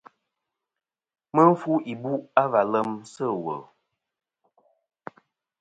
Mɨ fu ibu' a va lem sɨ̂ wul.